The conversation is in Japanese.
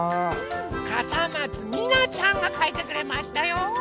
かさまつみなちゃんがかいてくれましたよ。